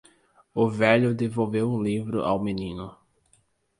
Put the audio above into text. O velho devolveu o livro ao menino.